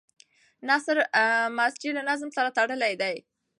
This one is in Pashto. نثر مسجع له نظم سره تړلی دی.